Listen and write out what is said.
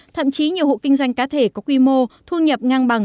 thậm chí nhiều hộ kinh doanh cá thể có quy mô thu nhập ngang bằng